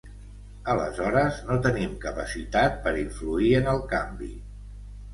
Aleshores, no tenim capacitat per influir en el canvi.